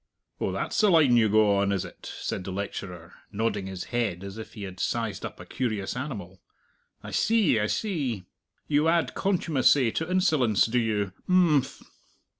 "Oh, that's the line you go on, is it?" said the lecturer, nodding his head as if he had sized up a curious animal. "I see, I see! You add contumacy to insolence, do you?... Imphm."